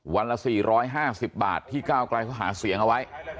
วันละ๔๕๐บาทที่ก้าวไกลเขาหาเสียงเอาไว้